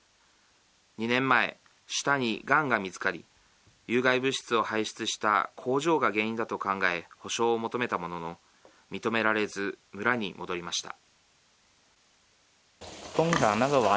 ２年前、舌にがんが見つかり有害物質を排出した工場が原因だと考え補償を求めたものの認められず村に戻りました。